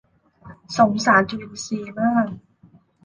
สงสารจุลินทรีย์มาก